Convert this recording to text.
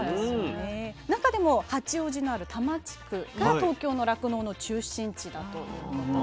中でも八王子のある多摩地区が東京の酪農の中心地だということです。